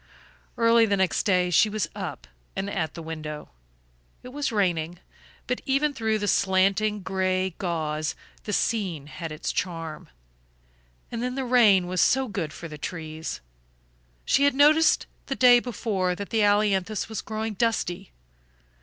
Early the next day she was up and at the window. It was raining, but even through the slanting gray gauze the scene had its charm and then the rain was so good for the trees. She had noticed the day before that the ailanthus was growing dusty.